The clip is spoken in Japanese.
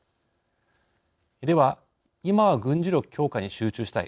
では、今は軍事力強化に集中したい。